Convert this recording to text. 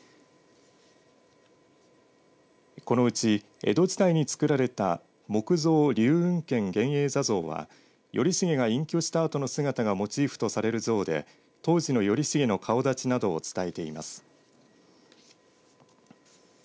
このうち江戸時代に作られた木造龍雲軒源英坐像は頼重が隠居したあとの姿がモチーフとされる像で当時の頼重の顔立ちなどを伝えています。